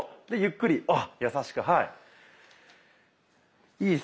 でゆっくり優しくはい。